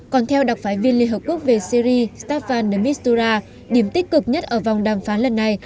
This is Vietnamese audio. còn theo đặc phái viên liên hợp quốc về syri safarn dmistura điểm tích cực nhất ở vòng đàm phán lần này